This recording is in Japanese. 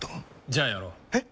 じゃあやろう。え？